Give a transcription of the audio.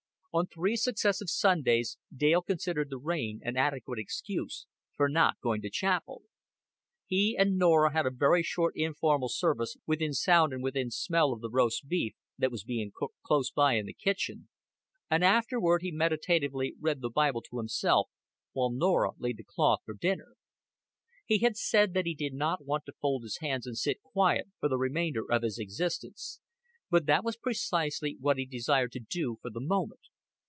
On three successive Sundays Dale considered the rain an adequate excuse for not going to chapel. He and Norah had a very short informal service within sound and within smell of the roast beef that was being cooked close by in the kitchen, and afterward he meditatively read the Bible to himself while Norah laid the cloth for dinner. He had said that he did not want to fold his hands and sit quiet for the remainder of his existence; but that was precisely what he desired to do for the moment.